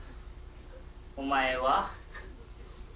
お前は。